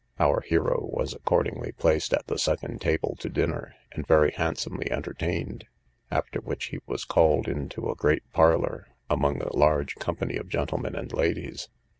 Our hero was accordingly placed at the second table to dinner, and very handsomely entertained; after which he was called into a great parlour, among a large company of gentlemen and ladies.